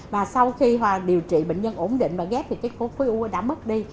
và sau khi điều trị bệnh nhân ổn định và ghép thì cái khối u đã mất đi